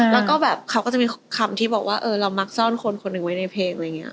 แล้วก็แบบเขาก็จะมีคำที่บอกว่าเรามักซ่อนคนคนหนึ่งไว้ในเพลงอะไรอย่างนี้